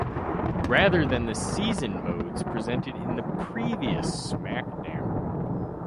Rather than the Season Modes presented in the previous SmackDown!